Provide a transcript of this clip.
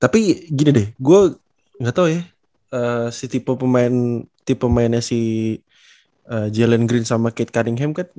tapi gini deh gue gak tau ya si tipe pemainnya si jalen green sama kate cunningham kan